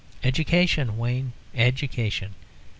Education, Wayne, education.